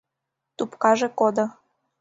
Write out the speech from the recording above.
Тупкаже кодо.